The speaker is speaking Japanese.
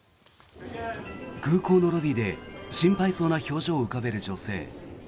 空港のロビーで心配そうな表情を浮かべる女性。